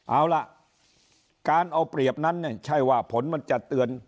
เอาล่ะการเอาเปรียบนั้นเนี่ยใช่ว่าผลมันจะเตือน